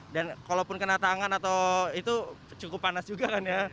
dan kalau pun kena tangan atau itu cukup panas juga kan ya